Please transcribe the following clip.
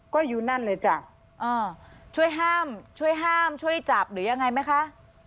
ก็อยู่นั่นเลยจ้ะช่วยห้ามช่วยห้ามช่วยจับหรือยังไงไหมคะ